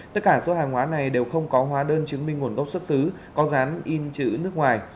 tất cả số hàng hóa này đều không có hóa đơn chứng minh nguồn gốc xuất xứ có dán in chữ nước ngoài